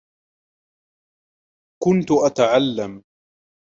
كنت أتعلّم.